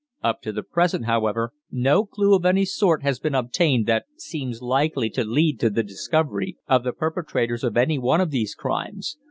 Up to the present, however, no clue of any sort has been obtained that seems likely to lead to the discovery of the perpetrators of any one of these crimes.